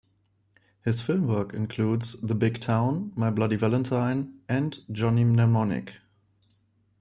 His film work includes "The Big Town", "My Bloody Valentine" and "Johnny Mnemonic".